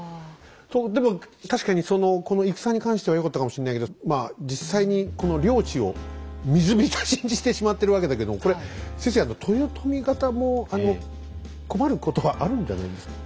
でも確かにこの戦に関してはよかったかもしんないけどまあ実際にこの領地を水浸しにしてしまってるわけだけどこれ先生豊臣方も困ることはあるんじゃないですか？